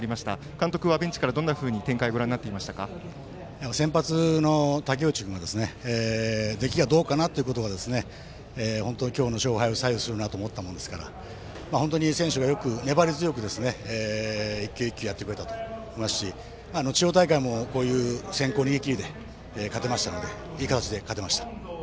監督はベンチから、どう展開をご覧になっていましたか。先発の武内の出来がどうかなというのが今日の勝敗を左右するなと思ったものですから選手が粘り強く１球１球やってくれたと思いますし地方大会でもこういう先行逃げ切りで勝てましたのでいい形で勝てました。